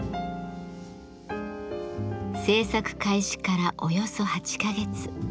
制作開始からおよそ８か月。